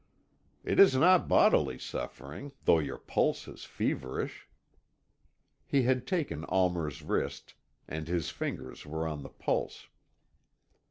"It is not bodily suffering, though your pulse is feverish." He had taken Almer's wrist, and his fingers were on the pulse.